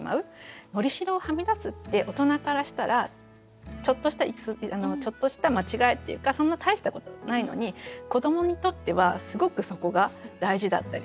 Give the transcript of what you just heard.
糊しろをはみ出すって大人からしたらちょっとした間違いっていうかそんな大したことじゃないのに子どもにとってはすごくそこが大事だったりする。